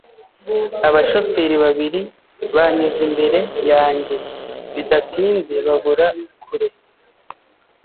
Abashoferi babiri banyuze imbere yanjye, bidatinze babura kure.